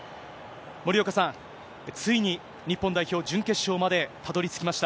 森岡さん、ついに日本代表、準決勝までたどりつきました。